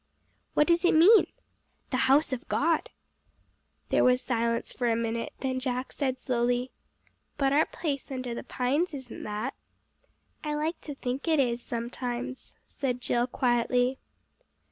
"What does it mean?" "The house of God." There was silence for a minute, then Jack said slowly "But our place under the pines isn't that." "I like to think it is sometimes," said Jill quietly.